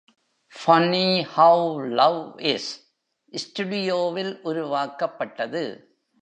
"Funny how love is" ஸ்டுடியோவில் உருவாக்கப்பட்டது.